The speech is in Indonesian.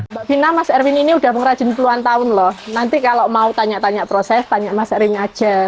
mbak fina mas erwin ini udah pengrajin puluhan tahun loh nanti kalau mau tanya tanya proses tanya mas erwin aja